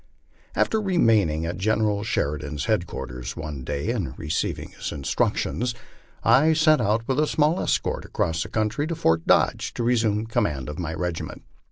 After remaining at General Sheridan's headquarters one day and receiving his instructions, I set out with a small escort across the country to Fort Dodge to resume command of my regiment.